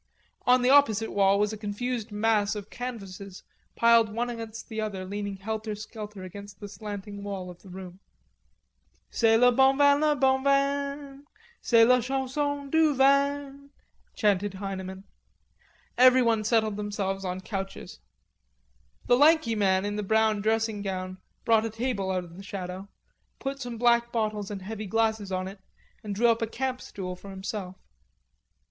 On the opposite wall was a confused mass of canvases piled one against the other, leaning helter skelter against the slanting wall of the room. "C'est le bon vin, le bon vin, C'est la chanson du vin." chanted Heineman. Everybody settled themselves on couches. The lanky man in the brown dressing gown brought a table out of the shadow, put some black bottles and heavy glasses on it, and drew up a camp stool for himself.